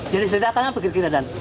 jadi selidatannya apa kira kira dan